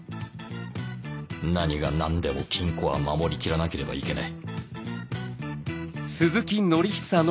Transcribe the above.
何が何でも金庫は守り切らなければいけない